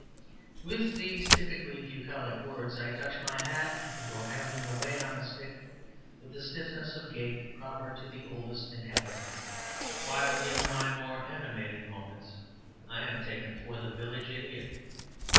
With these typically bucolic words I touch my hat and go ambling away on a stick, with a stiffness of gait proper to the Oldest Inhabitant; while in my more animated moments I am taken for the Village Idiot.